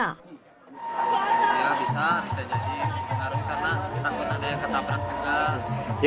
ya bisa bisa jadi pengaruh karena takut ada yang ketabrak juga